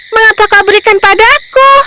mengapa kau berikan padaku